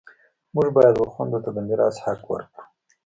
موږ باید و خویندو ته د میراث حق ورکړو